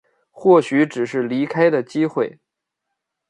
或许只是离开的机会